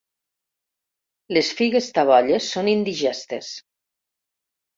Les figues tabolles són indigestes.